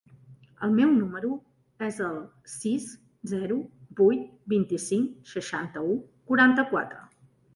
El meu número es el sis, zero, vuit, vint-i-cinc, seixanta-u, quaranta-quatre.